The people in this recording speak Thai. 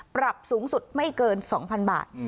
ปรับสูงสุดไม่เกิน๒๐๐๐บาท